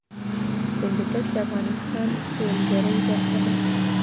هندوکش د افغانستان د سیلګرۍ برخه ده.